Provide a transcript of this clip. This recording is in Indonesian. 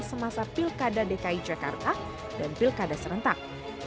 semasa pilkada dki jakarta dan pilkada serentak